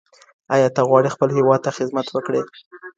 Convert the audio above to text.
آيا ته غواړې خپل هېواد ته خدمت وکړې؟